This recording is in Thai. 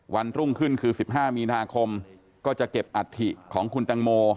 วันรุ่งขึ้นคือ๑๕มีนาคมก็จะเก็บอัฐิของคุณตังโม